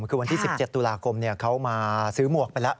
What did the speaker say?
คือวันที่๑๗ตุลาคมเขามาซื้อหมวกไปแล้ว